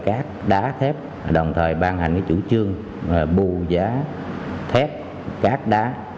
các đá thép đồng thời ban hành cái chủ chương bù giá thép cát đá